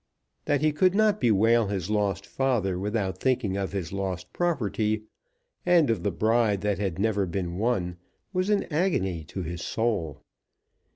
That he could not bewail his lost father without thinking of his lost property, and of the bride that had never been won, was an agony to his soul.